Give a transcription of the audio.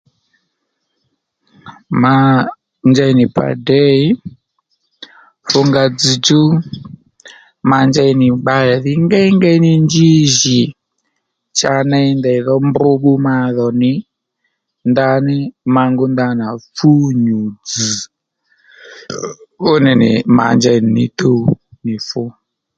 Ma njey nì pà děy fúnga dzzdjú ma njey nì bbalè dhí ngéyngey ní njí jì cha ney ndèy dho mb bbu ma dhò nì ndaní ma ngú ndanà fú nyù dzz̀ fú nì nì ma njey nì ní tuw nì fu